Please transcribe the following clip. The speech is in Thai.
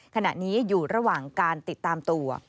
ขณะนี้อยู่ระหว่างการติดตามตัว